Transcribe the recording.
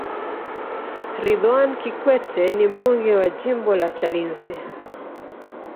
ridhwan kikwete ni mbunge wa jimbo la chalinze